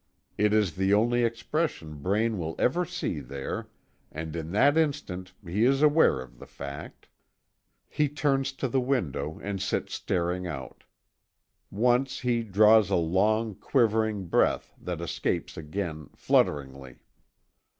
It is the only expression Braine will ever see there, and in that instant he is aware of the fact. He turns to the window and sits staring out. Once he draws a long, quivering breath, that escapes again, flutteringly.